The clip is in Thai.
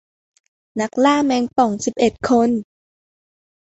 นักล่าแมงป่องสิบเอ็ดคน